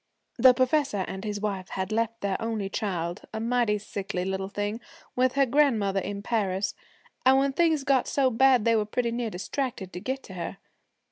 'The professor and his wife had left their only child, a mighty sickly little thing, with her grandmother in Paris, and when things got so bad they were pretty near distracted to get to her.